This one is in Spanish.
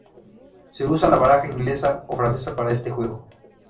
Se usa la baraja inglesa o francesa para este juego.